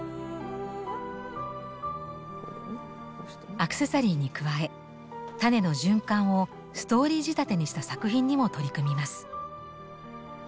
アクセサリーに加え種の循環をストーリー仕立てにした作品にも取り組みます。